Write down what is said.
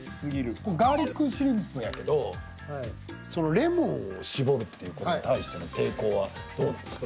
ガーリックシュリンプやけどレモンを搾るって事に対しての抵抗はどうなんですか？